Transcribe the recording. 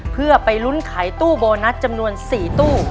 เพื่อไปลุ้นขายตู้โบนัสจำนวน๔ตู้